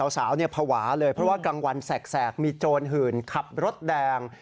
สาวภาวะเลยเพราะว่ากลางวันแสกมีโจรหื่นขับรถแดง